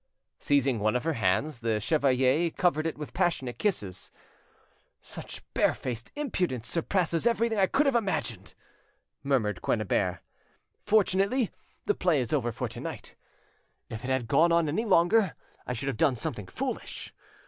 Seizing one of her hands, the chevalier covered it with passionate kisses. "Such barefaced impudence surpasses everything I could have imagined!" murmured Quennebert: "fortunately, the play is over for to night; if it had gone on any longer, I should have done something foolish.